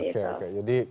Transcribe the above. jadi kumpulin di keranjang